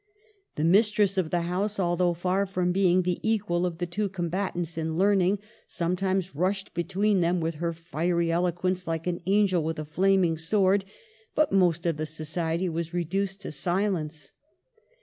The mistress of the house, although far from being the equal of the two combatants in learning, sometimes rushed between them with her fiery eloquence, like an angel with a flaming sword ; but most of the society were reduced to silence.